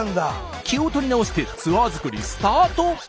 気を取り直してツアー作りスタート！